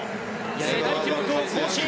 世界記録を更新。